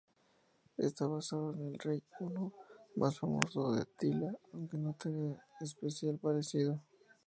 Está basado en el rey huno más famoso, Atila, aunque no tenga especial parecido.